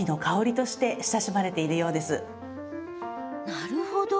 なるほど。